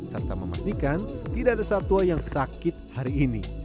serta memastikan tidak ada satwa yang sakit hari ini